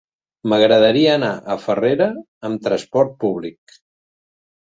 M'agradaria anar a Farrera amb trasport públic.